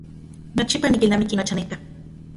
Nochipa nikilnamiki nochanejka.